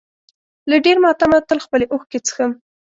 له ډېر ماتمه تل خپلې اوښکې څښم.